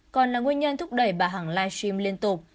còn là nguyên nhân thúc đẩy bà hằng livestream liên tục